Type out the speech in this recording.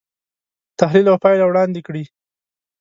تحلیل او پایله وړاندې کړي.